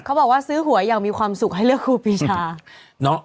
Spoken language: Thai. บอกว่าซื้อหวยอย่างมีความสุขให้เลือกครูปีชา